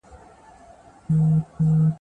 یو څو ورځي یې لا ووهل زورونه ..